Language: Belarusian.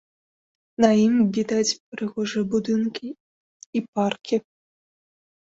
На ім відаць прыгожыя будынкі і паркі.